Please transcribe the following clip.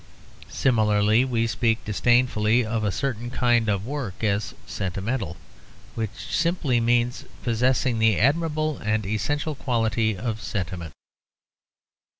Similarly we speak disdainfully of a certain kind of work as sentimental, which simply means possessing the admirable and essential quality of sentiment.